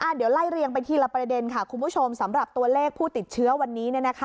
เดี๋ยวไล่เรียงไปทีละประเด็นค่ะคุณผู้ชมสำหรับตัวเลขผู้ติดเชื้อวันนี้